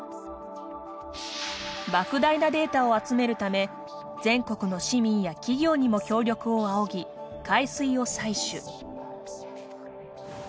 莫大なデータを集めるため全国の市民や企業にも協力を仰ぎ海水を採取。